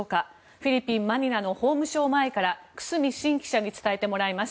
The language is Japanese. フィリピン・マニラの法務省前から久須美慎記者に伝えてもらいます。